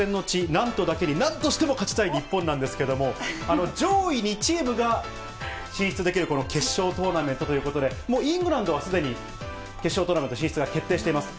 ナントだけに、なんとしても勝ちたい日本なんですけど、上位２チームが進出できる、この決勝トーナメントということで、もうイングランドはすでに決勝トーナメント進出が決定しています。